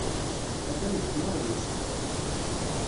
Atan deg tneɣlust.